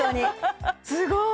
すごーい